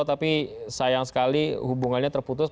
tapi sayang sekali hubungannya terputus